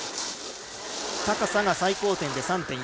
高さが最高点で３．４ｍ。